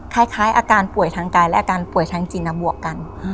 คล้ายอาการป่วยทางกายและอาการป่วยทางจิตบวกกัน